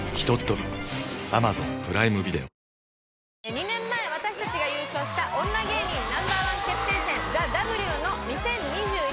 ２年前私たちが優勝した『女芸人Ｎｏ．１決定戦ＴＨＥＷ』。